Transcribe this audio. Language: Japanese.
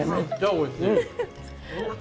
おいしい。